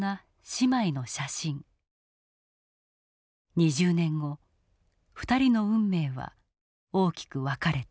２０年後２人の運命は大きく分かれた。